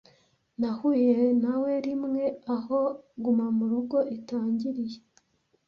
Nahuye nawe rimwe aho gumamurugo itangiriye .